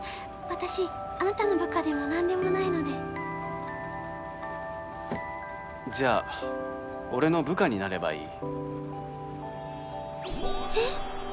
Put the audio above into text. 私あなたの部下でも何でもないのでじゃあ俺の部下になればいいえっ？